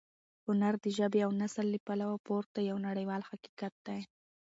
هنر د ژبې او نسل له پولو پورته یو نړیوال حقیقت دی.